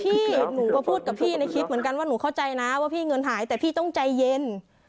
พี่หนูก็พูดกับพี่ในคลิปเหมือนกันว่าหนูเข้าใจนะว่าพี่เงินหายแต่พี่ต้องใจเย็น